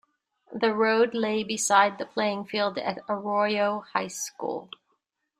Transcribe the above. The road lay beside the playing field at Arroyo High School.